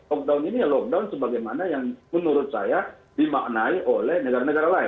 lockdown ini ya lockdown sebagaimana yang menurut saya dimaknai oleh negara negara lain